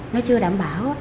nó chưa đảm bảo